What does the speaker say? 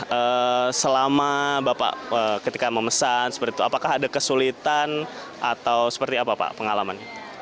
nah selama bapak ketika memesan seperti itu apakah ada kesulitan atau seperti apa pak pengalaman